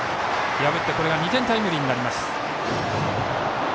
これが２点タイムリーになります。